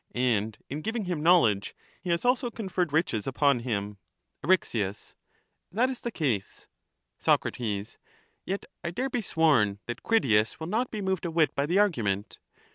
and in giving him knowledge he has also conferred riches upon him. Eryx. That is the case. Soc. Yet I dare be sworn that Critias will not be moved a whit by the argument.